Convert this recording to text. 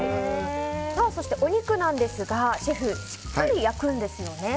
そしてお肉ですが、シェフしっかり焼くんですよね。